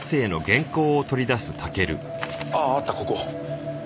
あっあったここ。